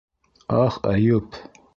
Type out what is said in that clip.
Ах, Әйүп!